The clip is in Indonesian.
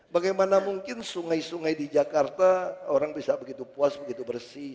bagaimana mungkin sungai sungai di jakarta orang bisa begitu puas begitu bersih